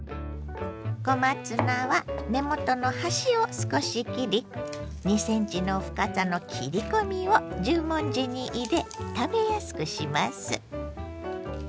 小松菜は根元の端を少し切り２ｃｍの深さの切り込みを十文字に入れ食べやすくします。